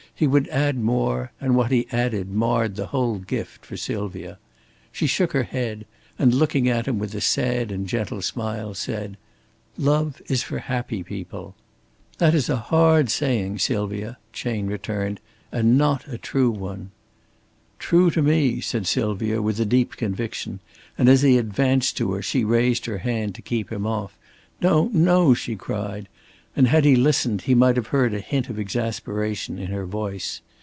He would add more, and what he added marred the whole gift for Sylvia. She shook her head, and looking at him with a sad and gentle smile, said: "Love is for the happy people." "That is a hard saying, Sylvia," Chayne returned, "and not a true one." "True to me," said Sylvia, with a deep conviction, and as he advanced to her she raised her hand to keep him off. "No, no," she cried, and had he listened, he might have heard a hint of exasperation in her voice.